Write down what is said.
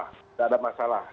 nggak ada masalah